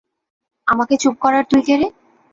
আমাকে চুপ করার তুই কে রে?